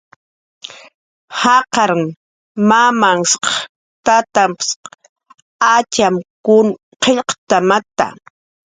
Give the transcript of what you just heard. Jaqarn mamamshqa, tatamshqaps atxamkun qillqt'amata.